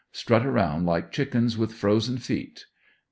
Strut around like chickens with frozen feet.